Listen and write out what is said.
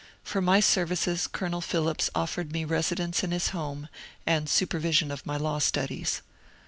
For my ser vices Colonel Phillips offered me residence in his home and supervision of my law studies.